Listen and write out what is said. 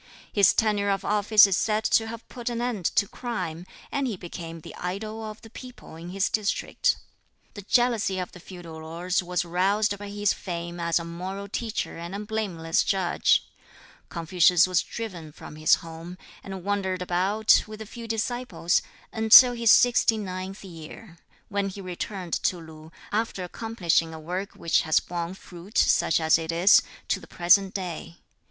His tenure of office is said to have put an end to crime, and he became the "idol of the people" in his district. The jealousy of the feudal lords was roused by his fame as a moral teacher and a blameless judge. Confucius was driven from his home, and wandered about, with a few disciples, until his sixty ninth year, when he returned to Lu, after accomplishing a work which has borne fruit, such as it is, to the present day.